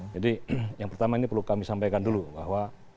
jadi yang pertama ini perlu kami sampaikan dulu bahwa